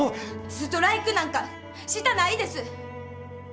ストライクなんかしたないです。